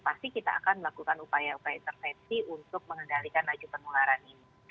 pasti kita akan melakukan upaya upaya intervensi untuk mengendalikan laju penularan ini